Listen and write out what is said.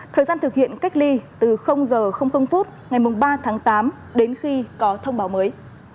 thời gian thực hiện cách ly từ h ngày ba tháng tám đến khi có thông báo mới